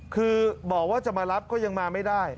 คือบอกว่าจะมารับก็ยังมาไม่ได้